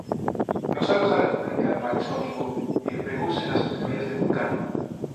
Nos anos da República marchou a Vigo e empregouse nas factorías de Vulcano.